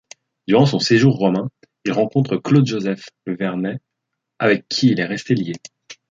Durant son séjour romain, il rencontre Claude Joseph Vernet avec qui il reste lié.